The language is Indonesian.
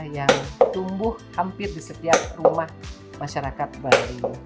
yang tumbuh hampir di setiap rumah masyarakat bali